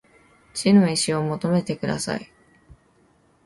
血の遺志を求めてください